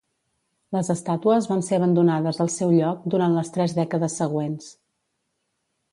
Les estàtues van ser abandonades al seu lloc durant les tres dècades següents.